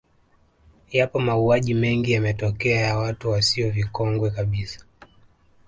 Yapo mauaji mengi yametokea ya watu wasio vikongwe kabisa